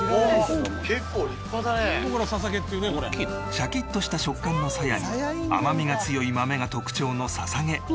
シャキッとした食感のサヤに甘みが強い豆が特徴のささげ。